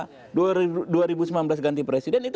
karena dua ribu sembilan belas ganti presiden